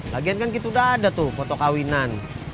lagian kan gitu udah ada tuh foto kawinan